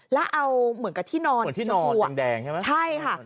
แล้วเอาเหมือนกับที่นอนเหมือนที่นอนแดงใช่ไหมใช่ค่ะ